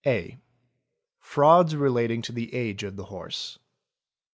| (a) Frauds relating to the age of the horse.